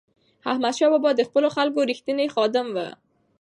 احمدشاه بابا د خپلو خلکو رښتینی خادم و.